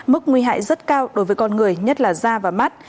mức nguy hại rất cao đối với con người nhất là da và mắt